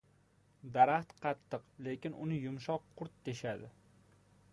• Daraxt qattiq, lekin uni yumshoq qurt teshadi.